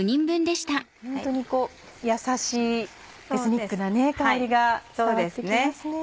ホントにやさしいエスニックな香りが伝わって来ますね。